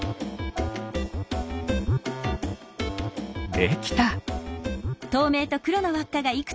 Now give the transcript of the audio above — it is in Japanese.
できた。